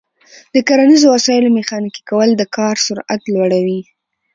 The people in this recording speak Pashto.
د کرنیزو وسایلو میخانیکي کول د کار سرعت لوړوي.